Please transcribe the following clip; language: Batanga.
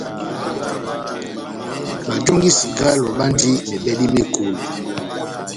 Bajongi cigalo bandi mebèdi mekolo.